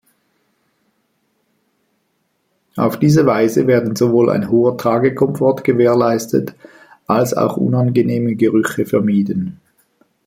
Auf diese Weise werden sowohl ein hoher Tragekomfort gewährleistet als auch unangenehme Gerüche vermieden.